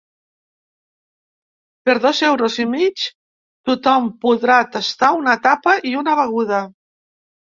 Per dos euros i mig, tothom podrà tastar una tapa i una beguda.